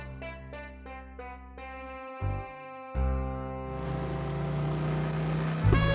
jangan jangan jangan jangan